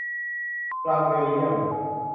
ฟรังก์เบลเยียม